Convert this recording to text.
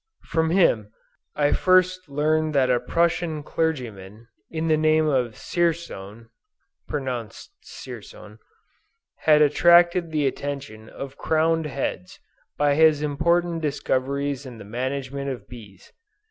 From him, I first learned that a Prussian clergyman, of the name of Dzierzon, (pronounced Tseertsone,) had attracted the attention of crowned heads, by his important discoveries in the management of bees.